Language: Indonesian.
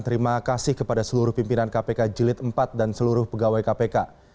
terima kasih kepada seluruh pimpinan kpk jilid empat dan seluruh pegawai kpk